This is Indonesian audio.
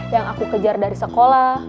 yang aku kejar dari sekolah